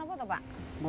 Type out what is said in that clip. apa sesek apa apa pak